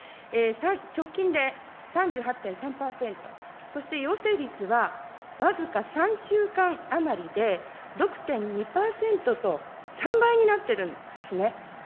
直近で３８．３％、そして陽性率は僅か３週間余りで６．２％と、３倍になってるんですね。